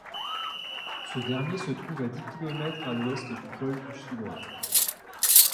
Ce dernier se trouve à dix kilomètres à l'ouest du col du Soulor.